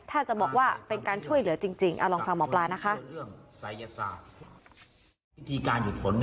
ถ้าจะบอกว่าเป็นการช่วยเหลือจริงลองฟังหมอปลานะคะ